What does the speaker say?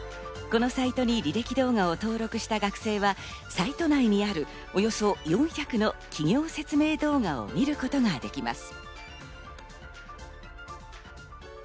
このサイトに履歴動画を登録した学生はサイト内にあるおよそ４００の企業説明動画を見ることができます。